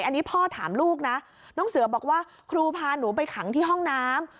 อันนี้พ่อถามลูกนะน้องเสือบอกว่าครูพาหนูไปขังที่ห้องน้ำ